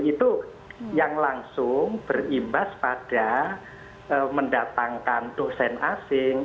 itu yang langsung berimbas pada mendatangkan dosen asing